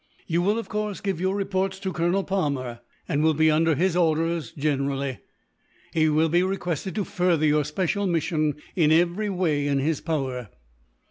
"You will, of course, give your reports to Colonel Palmer, and will be under his orders, generally. He will be requested to further your special mission in every way in his power."